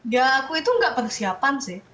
ya aku itu nggak persiapan sih